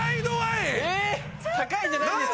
高いんじゃないんですか？